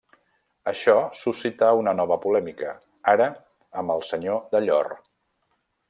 Això suscità una nova polèmica, ara amb el senyor de Llor.